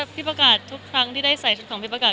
พี่ประกาศทุกครั้งที่ได้ใส่ชุดของพี่ประกาศ